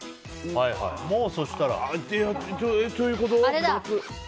もう、そしたら。ということ？